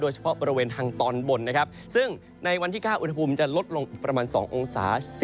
เฉพาะบริเวณทางตอนบนนะครับซึ่งในวันที่๙อุณหภูมิจะลดลงประมาณ๒องศา